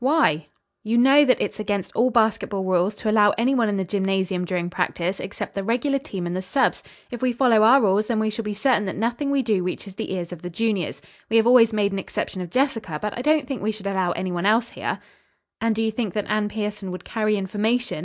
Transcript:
"Why?" "You know that it is against all basketball rules to allow any one in the gymnasium during practice except the regular team and the subs. If we follow our rules then we shall be certain that nothing we do reaches the ears of the juniors. We have always made an exception of Jessica, but I don't think we should allow any one else here." "And do you think that Anne Pierson would carry information?"